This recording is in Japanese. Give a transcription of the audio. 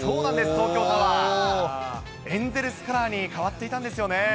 東京タワー、エンゼルスカラーに変わっていたんですよね。